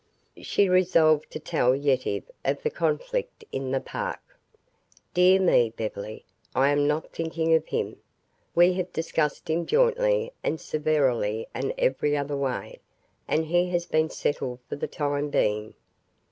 She resolved to tell Yetive of the conflict in the park. "Dear me, Beverly, I am not thinking of him. We've discussed him jointly and severally and every other way and he has been settled for the time being.